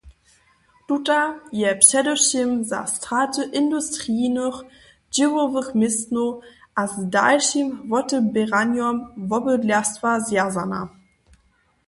Tuta je předewšěm ze stratu industrijnych dźěłowych městnow a z dalšim woteběranjom wobydlerstwa zwjazana.